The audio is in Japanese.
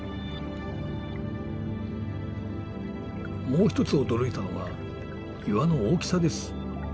もう一つ驚いたのが岩の大きさです。